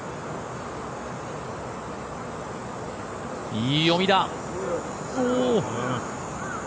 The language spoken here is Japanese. いい読みだ！